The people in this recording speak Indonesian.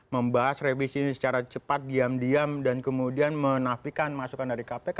membahas revisi ini secara cepat diam diam dan kemudian menafikan masukan dari kpk